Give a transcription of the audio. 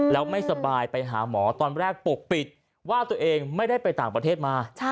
แล้วไม่สบายไปหาหมอตอนแรกปกปิดว่าตัวเองไม่ได้ไปต่างประเทศมา